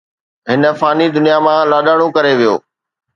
هن فاني دنيا مان لاڏاڻو ڪري ويو.